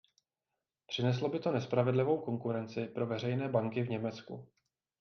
Přineslo by to nespravedlivou konkurenci pro veřejné banky v Německu.